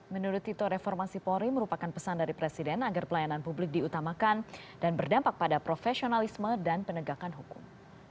menurut tito reformasi polri merupakan pesan dari presiden agar pelayanan publik diutamakan dan berdampak pada profesionalisme dan penegakan hukum